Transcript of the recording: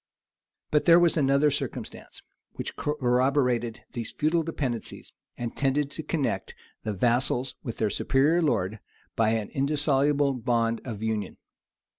[* Marculf. Form. 47, apud lindenbr. p. 1238,] But there was another circumstance, which corroborated these feudal dependencies, and tended to connect the vassals with their superior lord by an indissoluble bond of union.